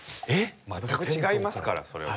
全く違いますからそれは。